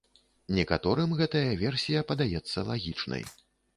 Некаторым гэтая версія падаецца лагічнай.